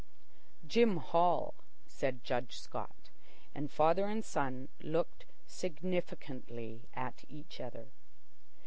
"Jim Hall," said Judge Scott, and father and son looked significantly at each other.